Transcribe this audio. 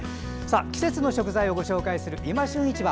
季節の食材をご紹介する「いま旬市場」。